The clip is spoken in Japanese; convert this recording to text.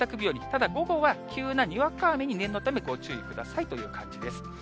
ただ、午後は急なにわか雨に念のためご注意くださいという感じです。